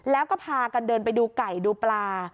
แล้วก็พากันเดินไปดูไก่ดูปลา